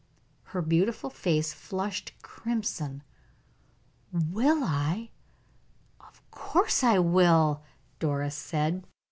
Her beautiful face flushed crimson. "Will I? Of course I will," Doris said.